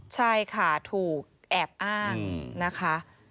ใช่ค่ะถูกแอบอ้างนะคะ